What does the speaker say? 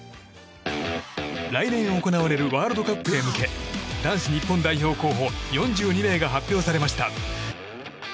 来年行われるワールドカップへ向け男子日本代表候補４２名が発表されました。